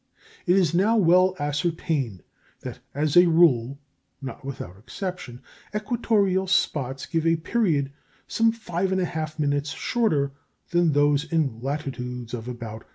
It is now well ascertained that, as a rule (not without exceptions), equatorial spots give a period some 5 1/2 minutes shorter than those in latitudes of about 30°.